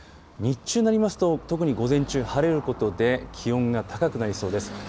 日中になりますと特に午前中晴れることで気温が高くなりそうです。